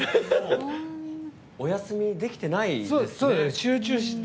おやすみできてないですね。